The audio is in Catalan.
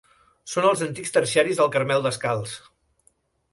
Són els antics terciaris del Carmel Descalç.